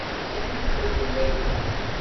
Sami iqubel Layla.